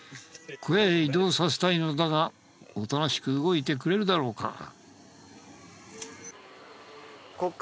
小屋へ移動させたいのだがおとなしく動いてくれるだろうか？